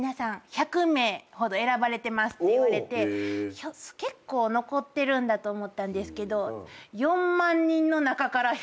１００名ほど選ばれてますって言われて結構残ってるんだと思ったんですけど。